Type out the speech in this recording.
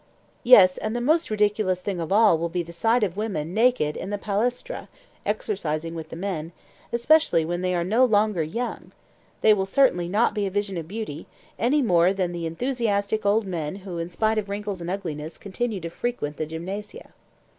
Yes, and the most ridiculous thing of all will be the sight of women naked in the palaestra, exercising with the men, especially when they are no longer young; they certainly will not be a vision of beauty, any more than the enthusiastic old men who in spite of wrinkles and ugliness continue to frequent the gymnasia.